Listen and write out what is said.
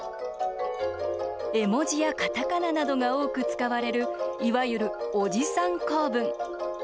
絵文字や、カタカナなどが多く使われるいわゆる、おじさん構文。